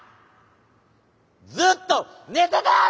ずっと寝てたやろ！